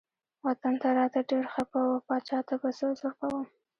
وطن ته راته ډیر خپه و پاچا ته به څه عذر کوم.